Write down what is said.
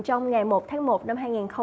trong ngày một tháng một năm hai nghìn hai mươi